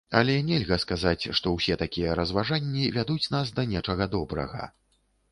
Але нельга сказаць, што ўсе такія разважанні вядуць нас да нечага добрага.